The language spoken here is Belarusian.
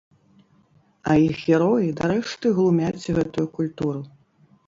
А іх героі дарэшты глумяць гэтую культуру.